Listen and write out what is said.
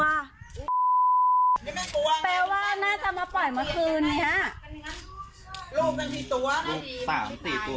นี่ไม่กลัวแปลว่าน่าจะมาปล่อยเมื่อคืนนี้ลูกกันสี่ตัวลูกสามสี่ตัว